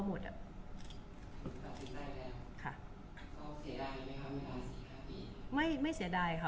คุณผู้ถามเป็นความขอบคุณค่ะ